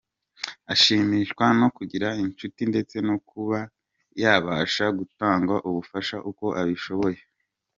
Ashimishwa no kugira inshuti ndetse no kuba yabasha gutanga ubufasha uko abishoboye.